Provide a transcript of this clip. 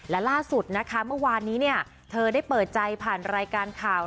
และล่าสุดนะคะเมื่อวานนี้เนี่ยเธอได้เปิดใจผ่านรายการข่าว